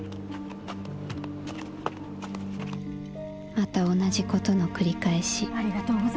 「また同じことの繰り返し」。